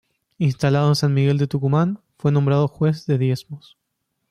Instalado en San Miguel de Tucumán, fue nombrado Juez de Diezmos.